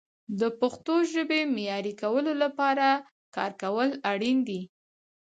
د پښتو ژبې معیاري کولو لپاره کار کول اړین دي.